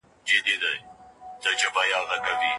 د ایمان قوت غرونه لړزولای سي.